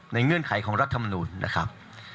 ในเงื่อนไขของรัฐธรรมนูญนะครับ